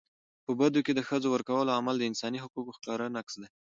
په بدو کي د ښځو ورکولو عمل د انساني حقونو ښکاره نقض دی.